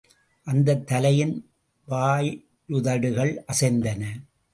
அந்தத் தலையின் வாயுதடுகள் அசைந்தன.